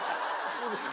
そうですか。